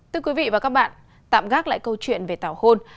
thưa quý vị và các bạn tạm gác lại câu chuyện về tảo hôn